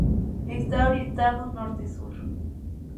Está orientado norte-sur.